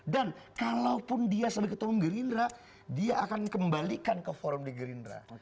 dan kalaupun dia sebagai ketua umum gerindra dia akan kembalikan ke forum di gerindra